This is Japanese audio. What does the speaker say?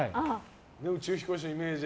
宇宙飛行士のイメージ